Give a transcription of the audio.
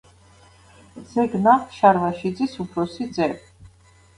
ზეგნაყ შარვაშიძის უფროსი ძე.